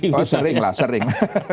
oh sering lah sering